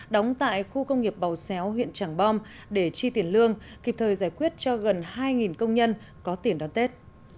đóng tại khu công nghiệp bầu xéo huyện trảng bom để chi tiền lương kịp thời giải quyết cho gần hai công nhân có tiền đón tết